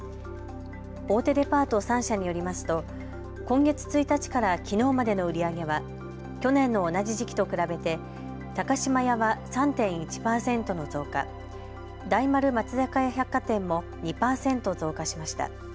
大手デパート３社によりますと今月１日からきのうまでの売り上げは去年の同じ時期と比べて高島屋は３．１％の増加、大丸松坂屋百貨店も２％増加しました。